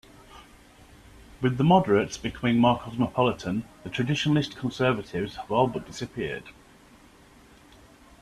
With the Moderates becoming more cosmopolitan, the traditionalist Conservatives have all but disappeared.